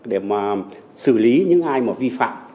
để mà xử lý những ai mà vi phạm